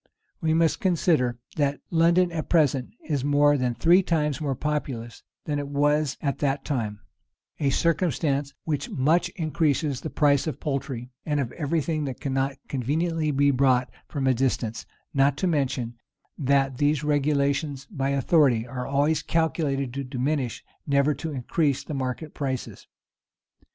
[] We must consider that London at present is more than three times more populous than it was at that time; a circumstance which much increases the price of poultry, and of every thing that cannot conveniently be brought from a distance: not to mention, that these regulations by authority are always calculated to diminish, never to increase the market prices.